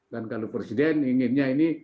dan kalau presiden inginnya ini